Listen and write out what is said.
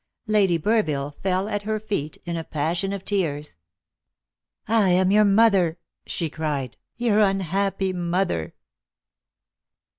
Lady Burville fell at her feet in a passion of tears. "I am your mother," she cried, "your unhappy mother!"